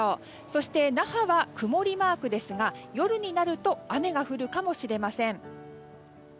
そして那覇は曇りマークですが夜になると雨が降るかもしれません。